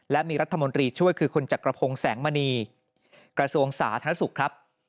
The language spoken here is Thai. และมีรัฐมนตรีช่วยคือคุณจักรพงศ์แสงมณีกระทรวงสาธารณสุขครับ